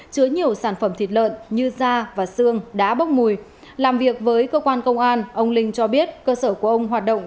chứa nhiều sản phẩm thịt lợn như da và xương đã bốc mùi làm việc với cơ quan công an ông linh cho biết cơ sở của ông hoạt động